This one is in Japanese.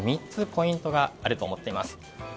３つポイントがあると思っています。